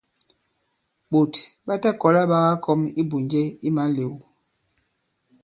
Ɓòt ɓa ta kɔ̀la ɓa kakɔm ibùnje i malew.